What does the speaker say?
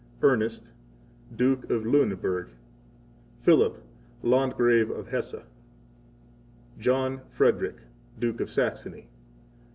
11 Ernest, Duke of Lueneberg. 12 Philip, Landgrave of Hesse. 13 John Frederick, Duke of Saxony.